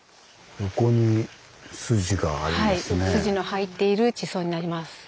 はいスジの入っている地層になります。